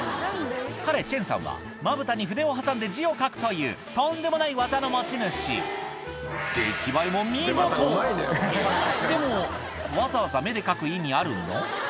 彼チェンさんはまぶたに筆を挟んで字を書くというとんでもない技の持ち主出来栄えも見事でもわざわざ目で書く意味あるの？